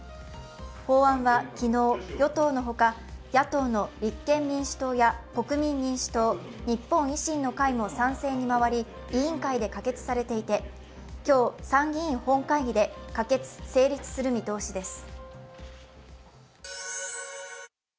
法案は昨日、与党のほか、野党の立憲民主党や国民民主党、日本維新の会も賛成に周り委員会で可決されていて今日、参議院本会議で可決・成立する見通しです。